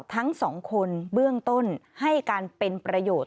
ทั้งสองคนเบื้องต้นให้การเป็นประโยชน์